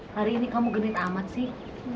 hari ini kamu genit amat sih